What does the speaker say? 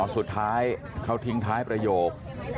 สุดท้ายเขาทิ้งท้ายประโยค